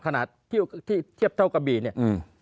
ขนาดที่เทียบเท่ากับบีเนี่ย